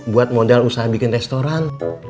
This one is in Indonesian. buat modal usaha bikin restoran